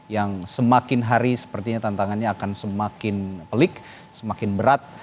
yang semakin hari sepertinya tantangannya akan semakin pelik semakin berat